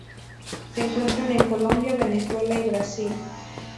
Se encuentran en Colombia, Venezuela y Brasil.